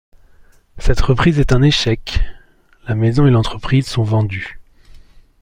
Cette reprise est un échec, la maison et l'entreprise sont vendues.